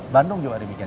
bandung juga demikian